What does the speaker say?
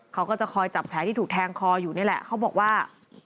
เขาก็จะคอยจับแผลที่ถูกแทงคออยู่นี่แหละเขาบอกว่า